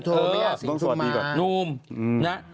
เธอต้องสั่วดีกว่า